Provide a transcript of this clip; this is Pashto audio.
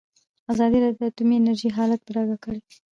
ازادي راډیو د اټومي انرژي حالت په ډاګه کړی.